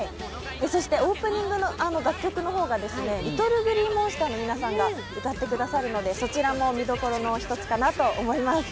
そしてオープニングの楽曲がＬｉｔｔｌｅＧｌｅｅＭｏｎｓｔｅｒの皆さんが歌ってくださるのでそちらも見どころの１つかなと思います。